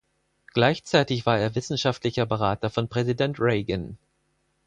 Gleichzeitig war er wissenschaftlicher Berater von Präsident Reagan.